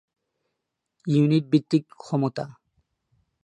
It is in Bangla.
ইউনিট ভিত্তিক ক্ষমতা